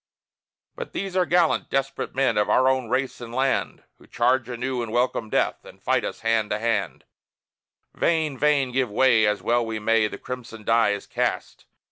But these are gallant, desperate men, of our own race and land. Who charge anew, and welcome death, and fight us hand to hand: Vain, vain! give way, as well ye may the crimson die is cast!